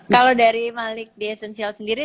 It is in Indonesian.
kalau dari malik di essential sendiri